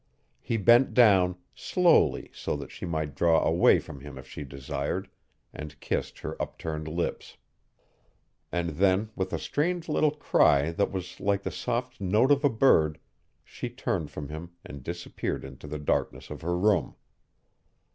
He bent down, slowly so that she might draw away from him if she desired, and kissed her upturned lips. And then, with a strange little cry that was like the soft note of a bird, she turned from him and disappeared into the darkness of her room.